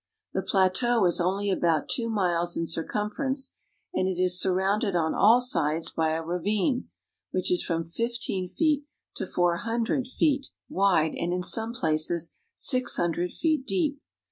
The plateau is only about two miles in circumference, and it is surrounded on all sides by a ravine, which is from fifteen feet to four hundred feet THE CITY OF TUNIS 47 wide and in some places six hundred feet deep.